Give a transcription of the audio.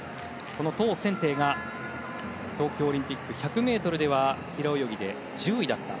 このトウ・センテイが東京オリンピック１００ｍでは平泳ぎで１０位だった。